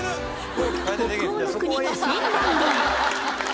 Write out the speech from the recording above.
北欧の国、フィンランドへ。